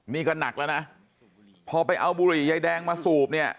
นี่ก็หนักแล้วนะพอไปเอาบุหรี่ยายแดงมาสูบเนี่ย